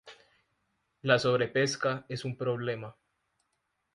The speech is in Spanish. La sobrepesca es un problema.